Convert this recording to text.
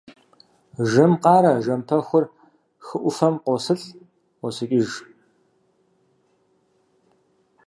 Жэм къарэ жэм пэхур хы ӏуфэм къосылӏ, ӏуосыкӏыж.